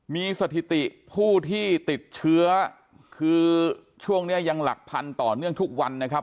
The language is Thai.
มีสถิติผู้ที่ติดเชื้อคือช่วงนี้ยังหลักพันต่อเนื่องทุกวันนะครับ